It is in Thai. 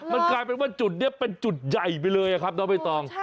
มันกลายเป็นว่าจุดนี้เป็นจุดใหญ่ไปเลยครับน้องใบตอง